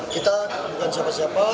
kita bukan siapa siapa